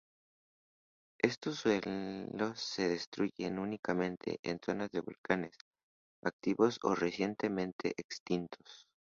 Estos suelos se distribuyen únicamente en zonas de volcanes activos o recientemente extintos.